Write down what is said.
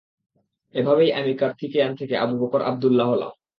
এভাবেই আমি কার্থিকেয়ান থেকে আবু বকর আবদুল্লাহ হলাম।